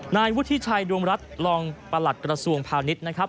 นายวุฒิชัยดวงรัฐรองประหลัดกระทรวงพาณิชย์นะครับ